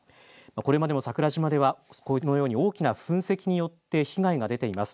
これまでも桜島ではこのように大きな噴石によって被害が出ています。